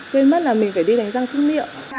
quên mất là mình phải đi đánh răng sức miệng